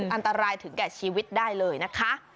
อันตรายถึงแก่ชีวิตได้เลยนะคะ